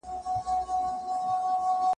دا تشبیه نوره زړه ده،